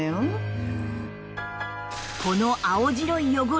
この青白い汚れ